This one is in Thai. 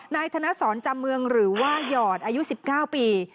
ธนสรจำเมืองหรือว่าหยอดอายุ๑๙ปี